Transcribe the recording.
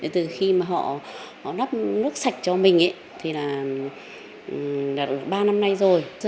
từ khi họ lắp nước sạch cho mình thì là ba năm nay rồi